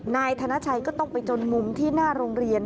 นายธนชัยก็ต้องไปจนมุมที่หน้าโรงเรียน